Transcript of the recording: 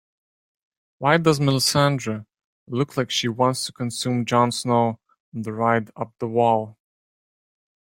Why does Melissandre look like she wants to consume Jon Snow on the ride up the wall?